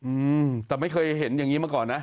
อืมแต่ไม่เคยเห็นอย่างงี้มาก่อนนะ